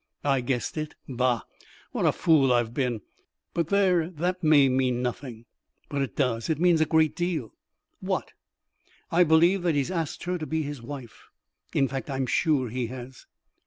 "I guessed it. Bah! what a fool I've been! But there, that may mean nothing." "But it does; it means a great deal." "What?" "I believe that he's asked her to be his wife. In fact, I'm sure he has."